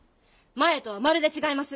前とはまるで違います。